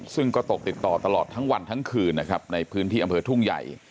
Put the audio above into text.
ซึ่งก็ตกติดต่อตลอดทั้งวันทั้งคืนนะครับในพื้นที่อำเภอทุ่งใหญ่